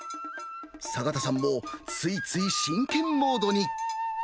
坂田さんもついつい真剣モードに。